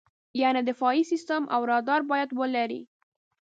یعنې دفاعي سیستم او رادار باید ولرې.